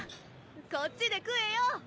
こっちで食えよ！